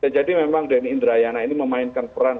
jadi memang denny indrayana ini memainkan peran